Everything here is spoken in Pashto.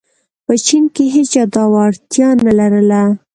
په چین کې هېچا دا وړتیا نه لرله.